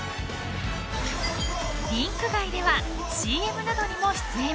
リンク外ではＣＭなどにも出演。